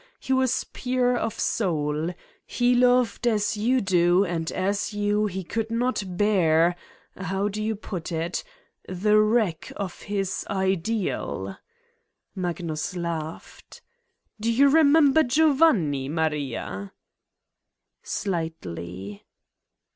He was pure of soul. He loved as you do and as you he could not bear how do you put it? the wreck of his ideal. " Magnus laughed : "Do you remember Giovanni, Maria? " "Slightly."